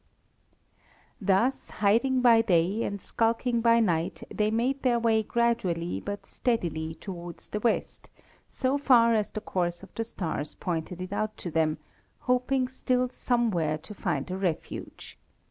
Thus, hiding by day and skulking by night, they made their way gradually but steadily towards the west, so far as the course of the stars pointed it out to them, hoping still somewhere to find a refuge.